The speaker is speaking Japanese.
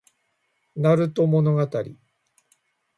なると物語